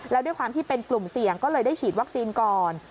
แล้วด้วยความที่เป็นกลุ่มเสี่ยงก็เลยได้ฉีดวัคซีนก่อน